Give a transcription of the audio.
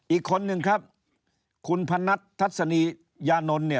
อีกคนหนึ่งครับคุณพนัททัศนียานนล